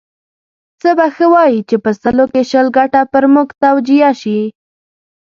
څه به ښه وای چې په سلو کې شل ګټه پر موږ توجیه شي.